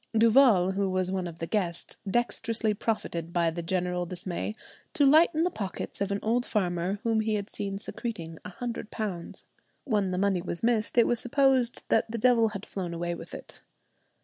Duval, who was one of the guests, dexterously profited by the general dismay to lighten the pockets of an old farmer whom he had seen secreting a hundred pounds. When the money was missed it was supposed that the devil had flown away with it.